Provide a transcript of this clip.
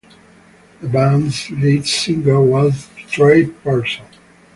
The band's lead singer was Trey Pearson.